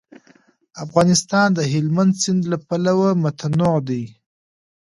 افغانستان د هلمند سیند له پلوه متنوع دی.